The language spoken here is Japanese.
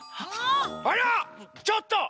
あらちょっと！